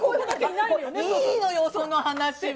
いいのよ、その話は。